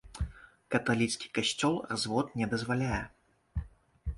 Каталіцкі касцёл развод не дазваляе.